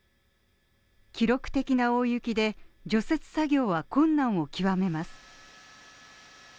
記録的な大雪で、除雪作業は困難を極めます。